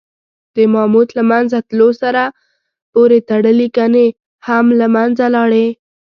د ماموت له منځه تلو سره پورې تړلي کنې هم له منځه لاړې.